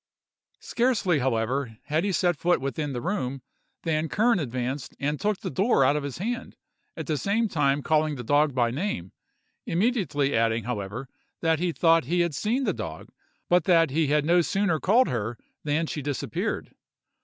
Scarcely, however, had he set his foot within the room, than Kern advanced and took the door out of his hand, at the same time calling the dog by name,—immediately adding, however, that he thought he had seen the dog, but that he had no sooner called her than she disappeared.